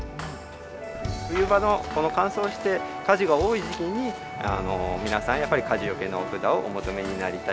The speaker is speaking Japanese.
冬場のこの乾燥して火事が多い時期に、皆さん、やっぱり火事よけのお札をお求めになりたい。